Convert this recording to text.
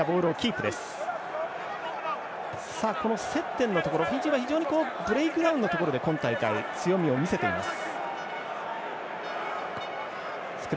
この接点のところフィジーブレイクダウンのところ今大会、強みを見せています。